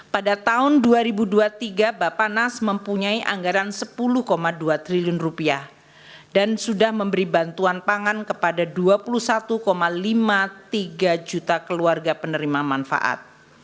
pada tahun dua ribu dua puluh tiga bapak nas mempunyai anggaran rp sepuluh dua triliun dan sudah memberi bantuan pangan kepada dua puluh satu lima puluh tiga juta keluarga penerima manfaat